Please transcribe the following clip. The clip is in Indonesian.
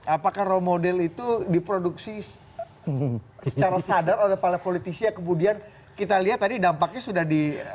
apakah role model itu diproduksi secara sadar oleh para politisi yang kemudian kita lihat tadi dampaknya sudah di